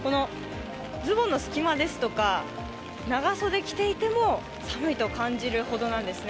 ズボンの隙間ですとか長袖を着ていても寒いと感じるほどなんですね。